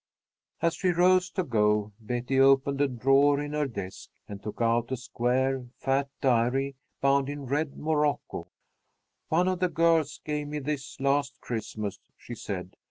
As she rose to go, Betty opened a drawer in her desk and took out a square, fat diary, bound in red morocco. "One of the girls gave me this last Christmas," she said.